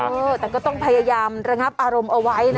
เออแต่ก็ต้องพยายามระงับอารมณ์เอาไว้นะ